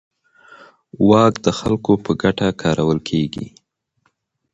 واک د خلکو په ګټه کارول کېږي.